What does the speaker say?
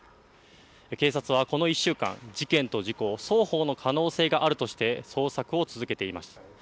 警察はこの１週間、事件と事故、双方の可能性があるとして捜索を続けていました。